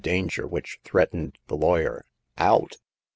danger which threatened the lawyer. " Out